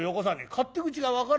勝手口が分からねえ？